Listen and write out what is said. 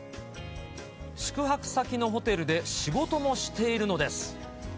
宿泊先のホテルで仕事もしているのです。